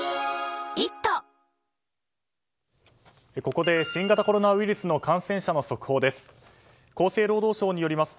ここで新型コロナウイルスの感染者の速報です。